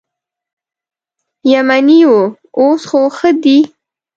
یمنی و اوس خو ښه دي.